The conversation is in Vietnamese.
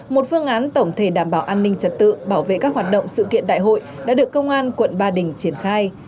một phương án tổng thể đảm bảo an ninh trật tự bảo vệ các hoạt động sự kiện đại hội đã được công an quận ba đình triển khai